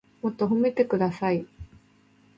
もっと褒めてください